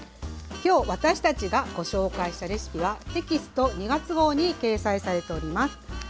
きょう私たちがご紹介したレシピはテキスト２月号に掲載されております。